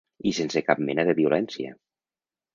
I sense cap mena de violència.